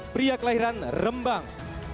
pria kelahiran rembang